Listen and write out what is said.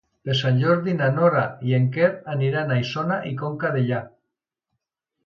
Per Sant Jordi na Nora i en Quer aniran a Isona i Conca Dellà.